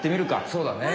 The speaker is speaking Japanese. そうだね。